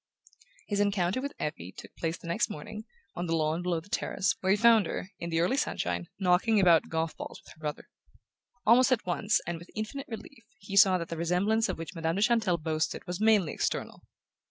His encounter with Effie took place the next morning, on the lawn below the terrace, where he found her, in the early sunshine, knocking about golf balls with her brother. Almost at once, and with infinite relief, he saw that the resemblance of which Madame de Chantelle boasted was mainly external.